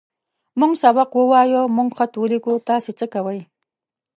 موږ سبق ووايه. موږ خط وليکو. تاسې څۀ کوئ؟